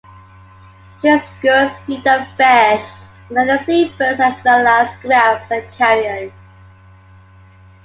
Chilean skuas feed on fish and other seabirds, as well as scraps, and carrion.